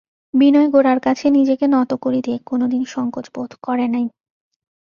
বিনয় গোরার কাছে নিজেকে নত করিতে কোনোদিন সংকোচ বোধ করে নাই।